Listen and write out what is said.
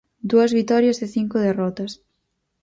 Dúas vitorias e cinco derrotas.